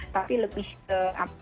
tapi lebih ke